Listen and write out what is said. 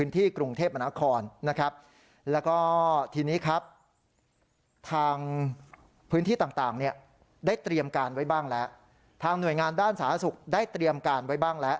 ทางหน่วยงานด้านสาธารณสุขได้เตรียมการไว้บ้างแล้ว